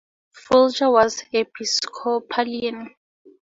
Folger was Episcopalian.